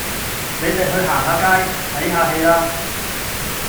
你哋去行下街，睇下戲啦